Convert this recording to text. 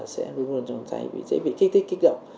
sẽ luôn luôn trong tay sẽ bị kích thích kích động